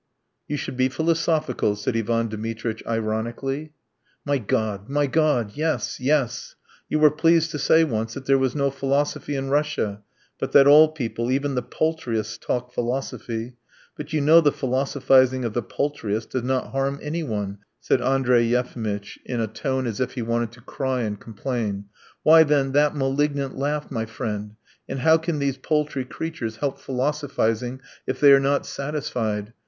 "You should be philosophical," said Ivan Dmitritch ironically. "My God, my God. ... Yes, yes. ... You were pleased to say once that there was no philosophy in Russia, but that all people, even the paltriest, talk philosophy. But you know the philosophizing of the paltriest does not harm anyone," said Andrey Yefimitch in a tone as if he wanted to cry and complain. "Why, then, that malignant laugh, my friend, and how can these paltry creatures help philosophizing if they are not satisfied?